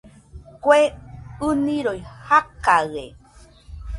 Kue ɨniroi jakaɨe